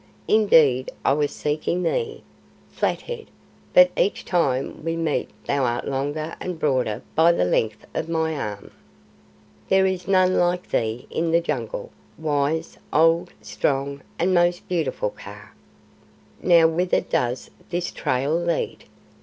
"Indeed I was seeking thee, Flathead, but each time we meet thou art longer and broader by the length of my arm. There is none like thee in the Jungle, wise, old, strong, and most beautiful Kaa." "Now whither does THIS trail lead?"